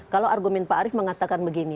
kalau argumen pak arief mengatakan begini